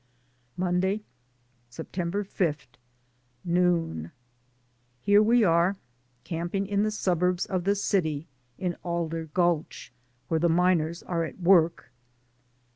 Monday, September 5. Noon. — Here we are camping in the sub urbs of the city, in Alder Gulch, where the miners are at work.